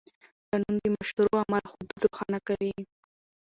قانون د مشروع عمل حدود روښانه کوي.